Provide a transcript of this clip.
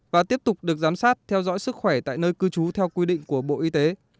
và tiếp tục được giám sát theo dõi sức khỏe tại nơi cư trú theo quy định của bộ y tế